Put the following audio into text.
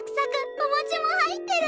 おもちも入ってる！